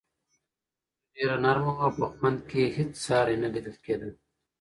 غوښه ډېره نرمه وه او په خوند کې یې هیڅ ساری نه لیدل کېده.